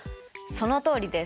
そのとおりです。